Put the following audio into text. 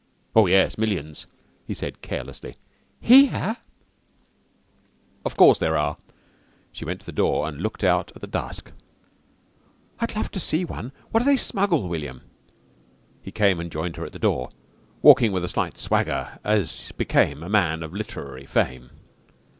"Oh, yes. Millions," he said carelessly. "Here?" "Of course there are!" She went to the door and looked out at the dusk. "I'd love to see one. What do they smuggle, William?" He came and joined her at the door, walking with a slight swagger as became a man of literary fame.